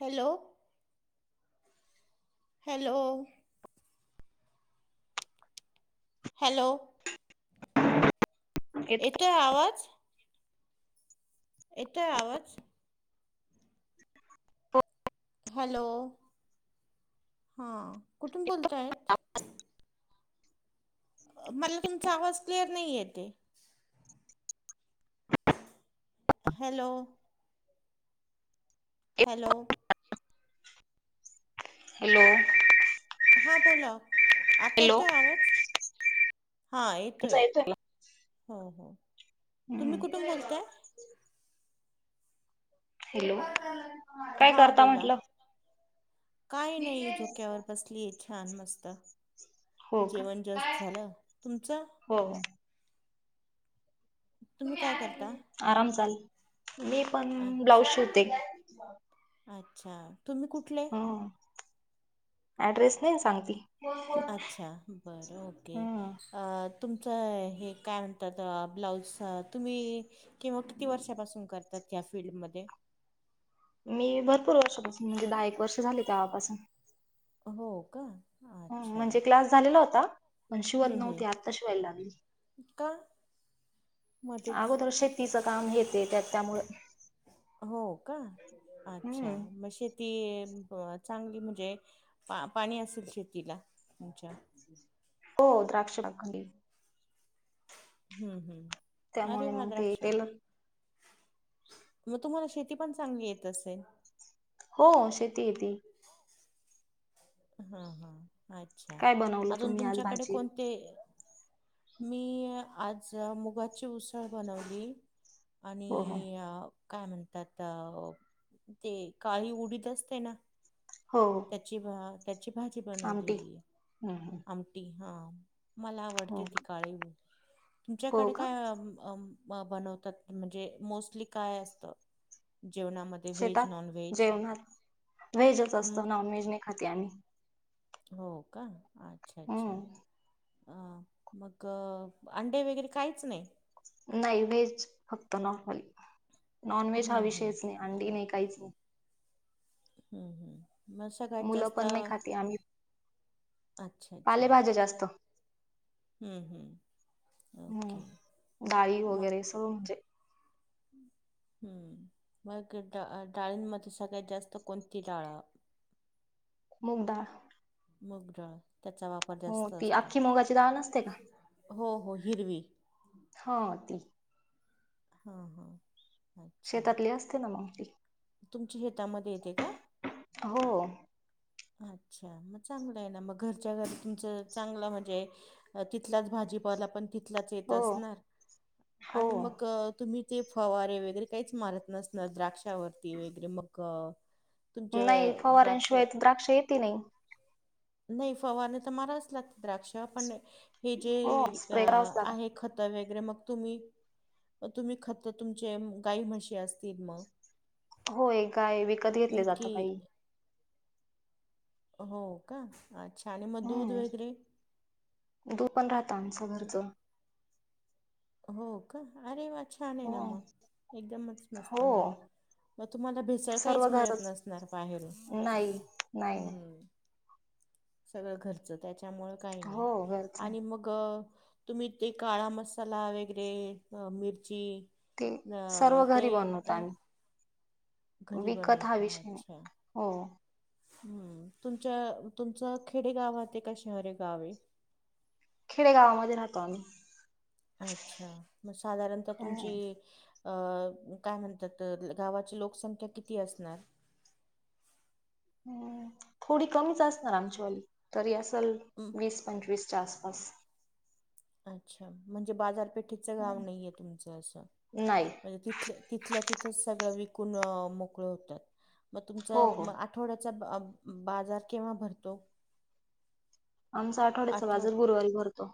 Hello hello hello येत येतोय आवाज? येतोय आवाज? हॅलो हा कुठून बोलतायत? मला तुमचा आवाज क्लिअर नाही येतेय हॅलो हॅलो हॅलो हा बोला आता हॅलो येतोय आवाज? हा येतोय तुमचा मला. हो हो तुम्ही हम्म. कुठून बोलताय? हॅलो काय करता म्हटल? काय नाही झोक्यावर बसलीय छान मस्त हो का जेवण जस्ट झालं तुमच? हो हो तुम्ही काय करता? आराम चाल मी पण ब्लाउज अच्छा शिवते अच्छा तुम्ही कुठले? हं ऍड्रेस नाही सांगती अच्छा बरं ओके हं अं तुमचं हे काय म्हणतात अं.. ब्लाऊज अं तुम्ही किंवा किती वर्षापासून करतात? या फिल्डमध्ये मी भरपूर वर्षापासून म्हणजे दहा एक वर्ष झाले तेव्हापसनं हो का हं अच्छा म्हणजे क्लास झालेला होता पण शिवत हम्म हम्म नव्हते आत्ता शिवायला लागेल का मध्येच अगोदर शेतीच काम येते त्या त्यामुळे हो का अच्छा हम्म मग शेत ती [unintelligible] चांगली म्हणजे पा-पाणी असेल शेतीला तुमच्या हो द्राक्ष ना खाल्ली. हम्म हम्म त्यामुळे अरे वा मग ते द्राक्ष टेलर म तुम्हाला शेती पण चांगली येत असेल? हो शेती येती. हा हा अच्छा काय बनवलं अजून तुम्ही आज तुमच्याकडे भाजी कोणते मी आज मुगाची उसळ बनवली हो हो आणि काय म्हणतात अ ते काळी उडीत असते ना हो त्याची भा त्याची भाजी आमटी बनवलेली येय. हं हं आमटी हा मला हो आवडते ती काळी हो तुमच्याकडे का काय अं अं म बनवतात म्हणजे मोस्टली काय असत? शेतात जेवणात व्हेजच असत हं? नॉन व्हेजने खात आम्ही. हो का अच्छा अच्छा. हम्म अ मग अंडे वगैरे काहीच नाही? नाई व्हेज फक्त नॉर्मल नॉनव्हेज हा हं, हं, विषयच नाई अंडी नाई काहीच हो. हम्म हम्म मग सगळ्यात मुलं जास्त पण नाही खाते आम्ही पालेभाज्या जास्त. हम्म हम्म. हम्म डाळी वगैरे सगळं म्हणजे हुं. हम्म मग डा अ डाळींमध्ये सगळ्यात जास्त कोणती डाळ आ मुगदाळ. मुगडाळ त्याचा वापर जास्त ती असतो अख्खी मुगाची डाळ हूं. नसते का हो हो हिरवी. हा ती. हा हा. शेतातली असते ना मग ती छेतामध्ये येते का हो अच्छा मग चांगलं आहे ना मग घरच्या घरी तुमच चांगलं म्हणजे तिथलाच भाजीपावला पण ती तलाच येत हो असणार हो आणि मग तुम्ही ते फवारे वगैरे काहीच मारत नसणार द्राक्षावरती वगरे मग तुमच्या नाही द्राक्ष फवारांशिवाय द्राक्ष येत नाई. नाई फवने तर मारायलाच लागते द्राक्षावर पण हे जे हो अ स्प्रे करावाच लागत आहे खत व गरे मग तुम्ही तुम्ही खत तुमचे गाई म्हशी असतील मग? होय काय विकत अं, घेतले की जातं गाई हो का. अच्छा आणि मग दूध हम्म वेगरे? दूध पण राहतं आमचं घरचं हो का अरे वा छान हाय हो ना म एकदमच मस्त हो म. मग तुम्हाला भेसळ काहीच सर्व मिळत घरच नसणार बाहेरून नाही नाही नाही हम्म. सगळं घरचं त्याच्यामुळे काही नाई हो घरच आहे आणि मग तुम्ही ते काळा मसाला वेगरे मिरची ते सर्व अ, ते घरी बनवतो अ, आम्ही. घरी विकत हा बनवता विषय नाई अच्छा हो. हम्म तुमच्या तुमचं खेडे गावाते का शहरे गाव ये? खेडेगावामध्ये राहतो आम्ही. अच्छा मग साधारणतः हो तुमची अं काय म्हणतात गावाची लोकसंख्या किती असणार? हम् थोडी कमीच असणार, आमच्या वाली तरी असेल हं, वीस पंचवीस जा अस सफ अच्छा म्हणजे बाजारपेठ तुमच नाही तिथल्या तिथ सगळ वि मोकळ होतात मग तुमच हो हो आठवड्यात बाजार केव्हा भरतो? आमच आठवड्याचा आठवड बाजार गुरुवारी भरतो.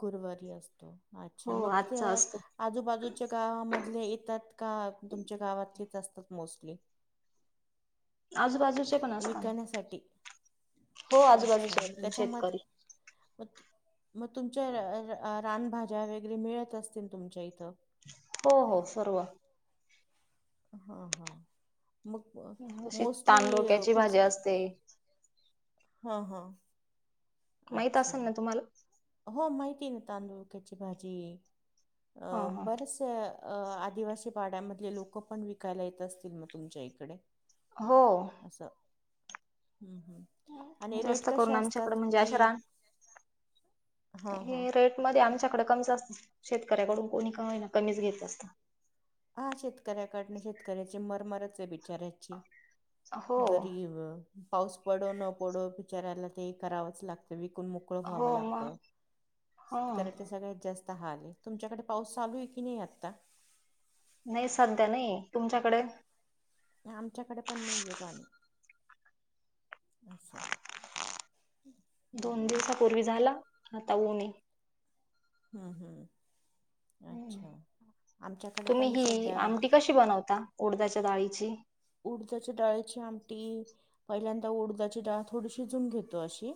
गुरुवारी असतो. अच्छा हो मग आजचा असतो आजूबाजूच्या गावामध्ये येतात का तुमच्या गावातलेच असतात मोस्टली? आजूबाजूचे पण असता. विकण्यासाठी. हो अच्छा आजूबाजूच्या मग त्याच्यामध्ये शेतकरी. मग तु मग तुमच्या रानभाज्या वगैरे मिळत असतील तुमच्या इथं. हो हो सर्व. हा हा. अशी तांडुक्याची भाजी असते. हा हा माहित असेल ना तुम्हाला? हो माहिती आहे ना तांदूळ क्याची भाजी अ हा हा बरस अ आदिवासी पाड्यामधले लोकं पण विकायला येत असतील मग तुमच्या इकडे? हो. असं. हं हं. आणि रेट जास्त कसे करून आमच्याकडे असतात म्हणजे की अश रा हा हा हे रेट मध्ये आमच्याकडे कमच असत शेतकऱ्याकडून कोणी का ना कमीच घेत असत. हा शेतकऱ्याकडन शेतकऱ्याची मरमरच आहे बिचाऱ्याची. हो जरी पाऊस पडो न पडो बिचऱ्याला ते करावंच लागत. मोकळं व्हाव हो लागत मग हा शेतकऱ्याच्या सगळ्यात जास्त तुमच्याकडे पाऊस चालू आहे की नाही आता? नाही सध्या नाहीये, तुमच्याकडे? आमच्याकडे पण नाहीये पाणी. असं दोन हम्म दिवसापूर्वी झाला, आता ऊन ये. हम्म हम्म. अच्छा आमच्याकडे तुम्ही पण हि सध्या आमटी कशी बनवता? ओडद्याच्या डाळीची उडदाच्या डाळीची आमटी, पहिल्यांदा उडजाची डाळ थोडी शिजून घेतो अशी.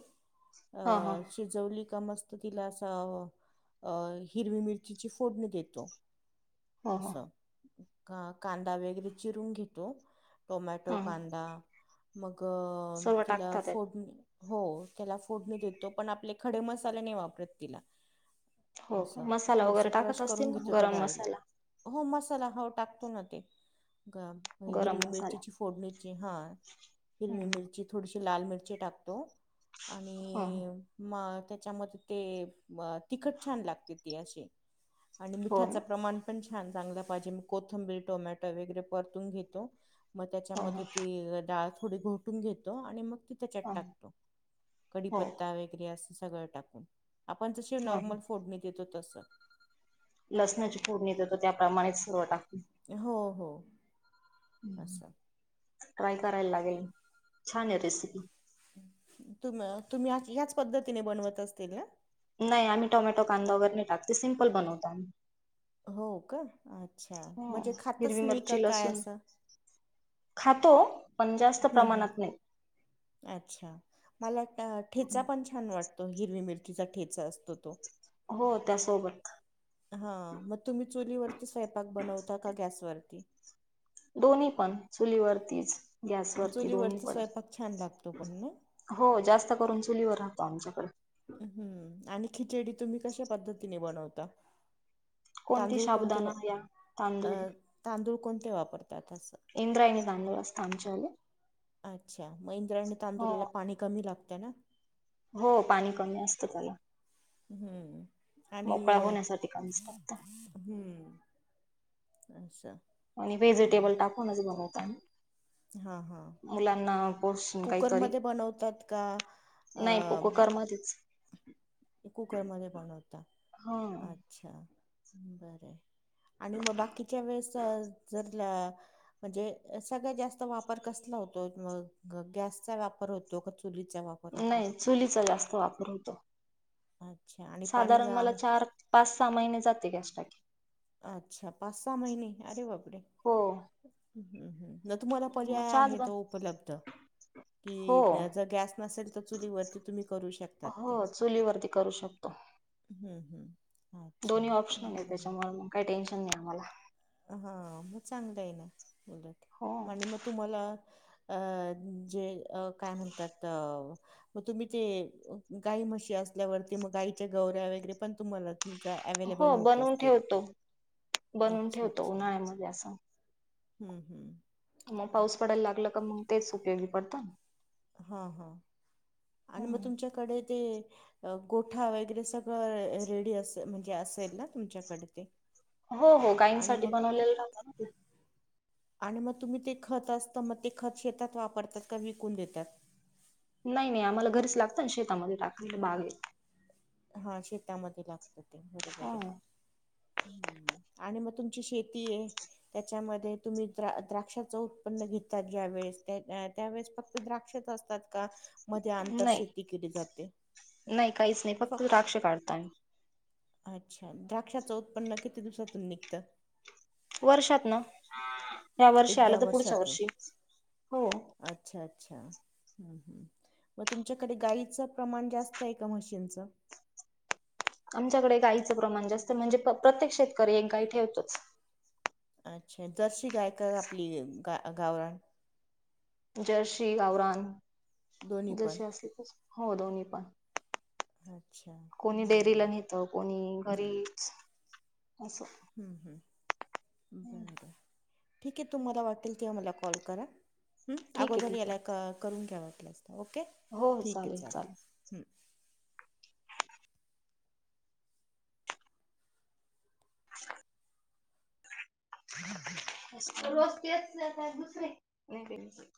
अ हा हा शिजवली इत मस्त तिला असं हिरवी मिरचीची फोडणी देतो. हो हो अस हा कांदा वगैरे चिरून घेतो. टोमॅटो, हा कांदा मग सर्व तिला टाकतात त्यात फोड हो त्याला फोडणी देतो पण आपले खडे मसाले नाही वापरत तिला. हो अस का? मसाला थोडस वगैरे क्रश टाकत असतील करून ना घेतो, त्या गरम डाळीला मसाला हो मसाला हाव टाकतो ना. गरम हिरवी मसाला मिरचीची फोडणीची ह हिरवी हम्म, मिरची थोडीशी लाल मिरची टाकतो हो आणि म त्याच्यामध्ये ते तिखट छान लागते ते असे आणि हो मिठाच ना प्रमाण पण छान चांगलं पाहिजे मी कोथंबीर टोमॅटो वगैरे परतून घेतो मग हो त्याच्यामध्ये हो ती डाळ थोडी घोटून घेतो आणि मग त्याच्यात हो टाकतो हो कडीीपत्ता वगैरे असं सगळं टाकून आपण जसे ह नॉर्मल फोडने देतो तस लसणाची पोडणीेतेतो त्याप्रमाणेच सुरूवट हो हो हम्म. असं ट्राय करायला लागेल छान आहे रेसिपी तुम् तुम्ही ह्याच पद्धतीने बनवत असतील ना आम्ही त्यात काहीच कांदा वगैरे काहीच टाकत नाही आम्ही फक्त त्याला एकदम साधं बनवतो असं हो अच्छा खातच हिरवी नाही का मिरची लसूण म्हणजे खातो पण जास्त हम् हम् प्रमाणात नाही अच्छा मला ठेचा पण छान वाटत हिरवी मिरचीचा ठेचा असतो हो त्याच्यासोबत तुम्ही स्वयंपाक चुलीवरती बनवता का गॅस वरती बनवता गॅसवर पण चुलीवर दोन्हीवर पण गॅस महाग चुलीवरचा असल्यामुळे स्वयंपाक छान लागतो पण ना? चुलीवरती जास्त करतो त्यांच्याकडे तुम्ही खिचडी कशा पद्धतीने बनवता कोणती तांदूळ कोणते साबुदाणा या अ तांदूळ तांदूळ कोणते वापरतात असं आमच्याकडे इंद्रायणी बांधव असते आणि इंद्रायणी हो तांदळाला पाणी पण कमी लागतं हो पाणी कमी लागतं त्याला हम्म आणि मोकळा होण्यासाठी कमीच टाकता हम्म अच्छा आम्ही वेजिटेबल टाकूनच बनवतो हां, हां. मुलांना विचारूनच काहीतरी कुकरमध्ये बनवतात का अ, नाही कुकरमध्येच कुकरमध्ये पण छान होता आणि मग बाकीच्या वेळेस जर सगळ्यात जास्त वापर चुलीचा होतो वापर गॅस पेक्षा चुलीचा वापर जास्त होतो अच्छा आणि गॅस टाकी पाणी कमीत कमी गांग मला पाच सहा महिने जाते म्हणजे पाच सहा महिने जाते अरे बापरे हो तुम्हाला मग पर्याय चहाच आहे बन उपलब्ध हो नाही कि जर गॅस नसेल तर चुलीवरती तुम्ही करू शकता ते हो चुलीवरती करू शकतो हम्म, हम्म. आम्हाला अच्छा काही टेन्शन बरं नाही कारण दोन्ही ऑप्शन आहे हा मग तुम्हाला चांगलं आहे ना हो काय म्हणतात तुमच्याकडे गाई म्हशी आहे गाई म्हशी असतील तर तुम्ही गौर्या वगैरे पण तुमच्याकडे असतील तुमच्याकडे अवेलेबल हो होत बनवून असतील ठेवतो ना बनवून उन्हाळ्यामध्ये असताना हम्म हम्म आ- पाऊस पडायला लागलं की मग ते उपयोगी येत हा हा आणि मग हम्म. तुमच्याकडे ते तुमच्याकडे ते गोठा ते सगळं असेल ना मग बनवलेलं आहे ना काही आणि साठी आणि त्यांचं खत तुम्ही शेतात टाकता का ते विकून टाकतात नाही-नाही आम्हाला घरीच लागत शेतामध्येच टाकायला बागेत हा शेतामध्ये लागत बरोबर हो. हे आणि तुम्ही तुमची शेती आहे. त्याच्या मध्ये तुम्ही द्रा- द्राक्षाचे उत्पन्न घेता त्यावेळेस फक्त द्राक्ष च असतात मध्ये आंतर नाही शेती केली जाते फक् तु राक्ष काढताय अच्छा द्राक्षाच उत्पन्न किती दिवसातु निघत वर्षात न! या्या वर्षी एकदा आलं तर पुढच्या वर्षातून वर्षी हो ह् ह म तुमच्याकडे गाईचं प्रमाण जास्त आहे का म्हशींच [inaudible] आमच्याकडे गाईचं प्रमाण जास्त म्हणजे, पण प्रत्येक शेतकरी एक गाय ठेवतोच अच्छा जर्शी गाय का आपली गा-गावराण. जर्शी-गवरान, दोन्ही पण जशी असली तर हो दोन्ही पण अच्छा कोणी बरं डेअरीला आहे. नेत कोणी घरीच अस हम्म-हम् बरं, ठीक ए तुम्हाला वाटेल तेव्हा मला कॉल करा अम ठीक आहे अगोदर ठीक याला आहे अक करून घ्या वाटलं, ओके हो हो ठीक ए चालेल हम्. [inaudible] रोज तेच ए कि दुसरे